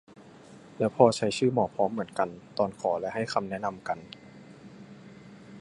และพอใช้ชื่อ หมอพร้อม เหมือนกัน ตอนขอและให้คำแนะนำกัน